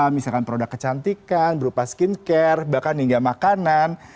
misalkan produk kecantikan berupa skincare bahkan hingga makanan